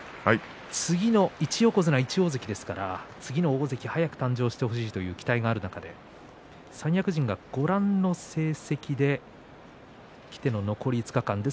次の１横綱１大関ですから次の大関に早く誕生してほしいという期待がある中で三役陣がご覧の成績できて残りの５日間です。